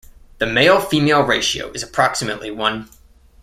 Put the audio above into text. The male:female ratio is approximately one.